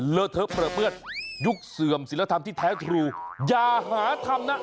เลอเทอะเปลือเปื้อนยุคเสื่อมศิลธรรมที่แท้ครูอย่าหาทำนะ